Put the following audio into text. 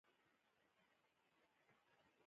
د ښورې تیزاب او د ګوګړو تیزاب هم خطرناک دي.